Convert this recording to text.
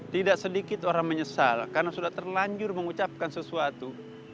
tidak sedikit orang menyesal karena sudah terlanjur mengucapkan sesuatu